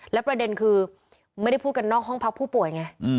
และประเด็นคือไม่ได้พูดกันนอกห้องพักผู้ป่วยไง